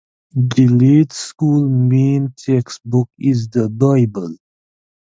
Gilead School's main textbook is the Bible.